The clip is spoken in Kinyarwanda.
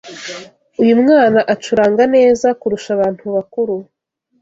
Uyu mwana acuranga neza kurusha abantu bakuru